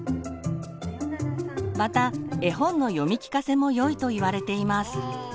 また絵本の読み聞かせもよいといわれています。